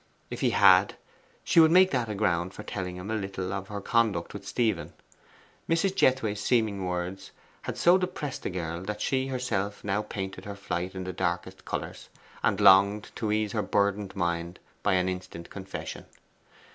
If he had, she would make that a ground for telling him a little of her conduct with Stephen. Mrs. Jethway's seeming words had so depressed the girl that she herself now painted her flight in the darkest colours, and longed to ease her burdened mind by an instant confession.